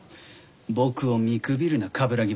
僕を見くびるな冠城亘。